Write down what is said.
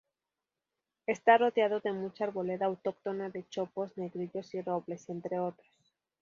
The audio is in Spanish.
Está rodeado de mucha arboleda autóctona de chopos, negrillos y robles, entre otros.